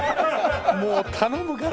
もう頼むから。